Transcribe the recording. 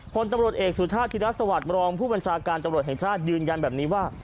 พลตำรวจเอกสุชาติธิรัฐสวัสดิมรองผู้บัญชาการตำรวจแห่งชาติยืนยันแบบนี้ว่า